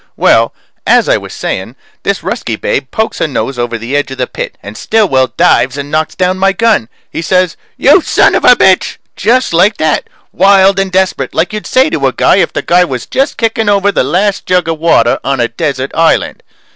Well, as I was saying, this Ruskie babe pokes her nose over the edge of the pit and Stillwell dives and knocks down my gun. He says, "You son of a bitch!" Just like that. Wild and desperate, like you'd say to a guy if the guy was just kicking over the last jug of water on a desert island.